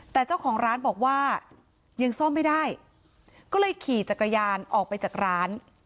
แต่เจ้าของร้านบอกว่ายังซ่อมไม่ได้ก็เลยขี่จักรยานออกไปจากร้าน